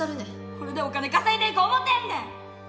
これでお金稼いでいこう思てんねん！